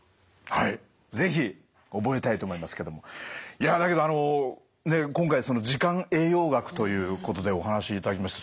いやだけどあの今回時間栄養学ということでお話しいただきました。